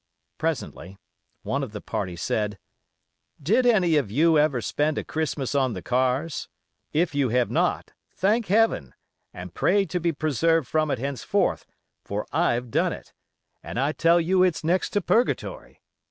Presently, one of the party said: "Did any of you ever spend a Christmas on the cars? If you have not, thank Heaven, and pray to be preserved from it henceforth, for I've done it, and I tell you it's next to purgatory.